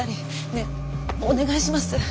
ねえお願いします。